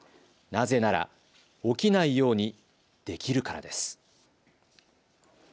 なぜならおきないようにできるからです。